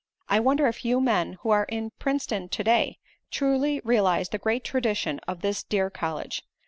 I wonder if you men who are in Princeton to day truly realize the great tradition of this dear college.